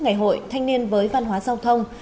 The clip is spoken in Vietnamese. ngày hội thanh niên với văn hóa giao thông